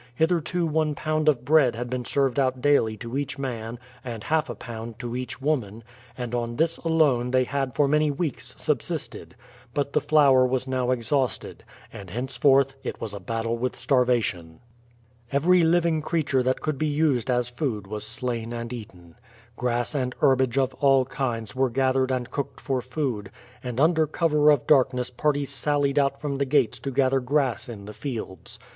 Hitherto one pound of bread had been served out daily to each man and half a pound to each woman, and on this alone they had for many weeks subsisted; but the flour was now exhausted, and henceforth it was a battle with starvation. Every living creature that could be used as food was slain and eaten. Grass and herbage of all kinds were gathered and cooked for food, and under cover of darkness parties sallied out from the gates to gather grass in the fields.